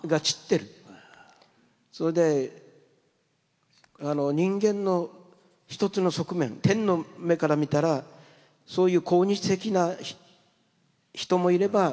それで人間の一つの側面天の目から見たらそういう向日的な人もいれば闇の火花のような人もいる。